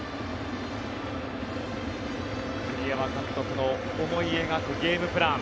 栗山監督の思い描くゲームプラン。